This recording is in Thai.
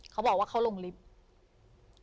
เขาบอกว่าเขาลงลิฟต์